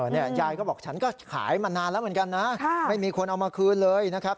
ยายก็บอกฉันก็ขายมานานแล้วเหมือนกันนะไม่มีคนเอามาคืนเลยนะครับ